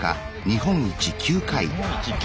日本一９回！